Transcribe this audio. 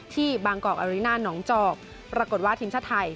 ที่บางกอกอาริน่าหนองจอกปรากฏว่าทีมชาติไทย